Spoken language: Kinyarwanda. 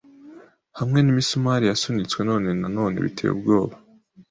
Hamwe n'imisumari yasunitswe none nanone biteye ubwoba